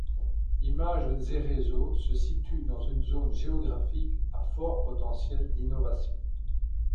Images & Réseaux se situe dans une zone géographique à fort potentiel d'innovation.